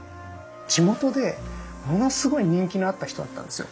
地元でものすごい人気のあった人だったんですよ。